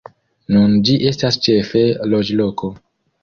Nun ĝi estas ĉefe loĝloko.